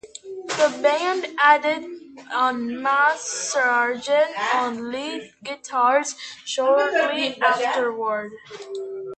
The band added on Matt Sargent on Lead Guitars shortly afterward.